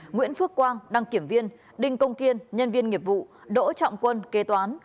nguyễn phước quang đăng kiểm viên đinh công kiên nhân viên nghiệp vụ đỗ trọng quân kế toán